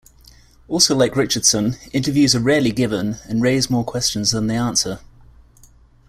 Also like Richardson, interviews are rarely given and raise more questions than they answer.